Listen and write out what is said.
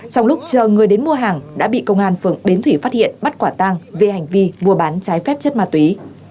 trong lúc chờ người đến mua hàng đã bị công an phường bến thủy phát hiện bắt quả tang về hành vi mua bán trái phép chất ma túy